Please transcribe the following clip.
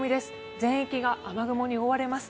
全域が雨雲に覆われます。